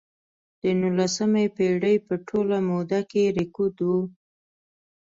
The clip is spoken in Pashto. د نولسمې پېړۍ په ټوله موده کې رکود و.